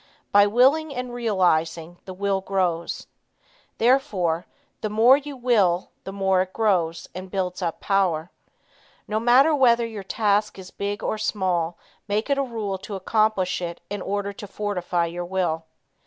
By willing and realizing, the will grows. Therefore the more you will, the more it grows, and builds up power. No matter whether your task is big or small, make it a rule to accomplish it in order to fortify your will.